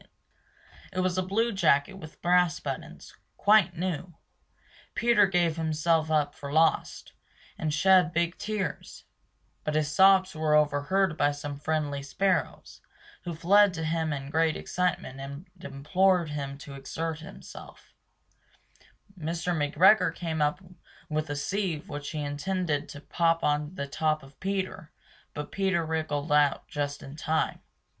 It was a blue jacket with brass buttons, quite new. Peter gave himself up for lost and shed big tears; But his sobs were overheard by some friendly sparrows Who flew to him in great excitement and implored him to exert himself. Mr. McGregor came up with a sieve which he intended to pop on the top of Peter, but Peter wriggled out just in time.